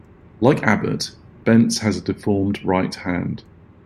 Like Abbott, Bentz has a deformed right hand.